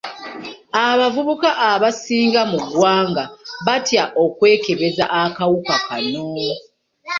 Abavubuka abasinga mu ggwanga batya okwekebeza akawuka kano.